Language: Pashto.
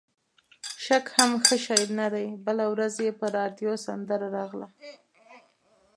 شک هم ښه شی نه دی، بله ورځ یې په راډیو سندره راغله.